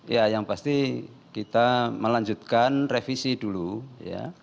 ya yang pasti kita melanjutkan revisi dulu ya